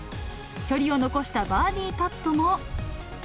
距離を残したバーディーパットも。